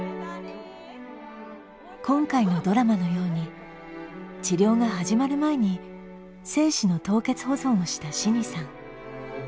今回のドラマのように治療が始まる前に精子の凍結保存をした信義さん。